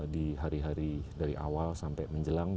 di hari hari dari awal sampai menjelang